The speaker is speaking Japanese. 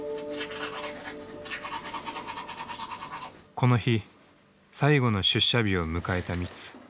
この日最後の出社日を迎えたミツ。